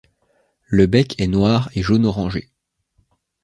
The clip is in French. Le bec est noir et jaune orangé.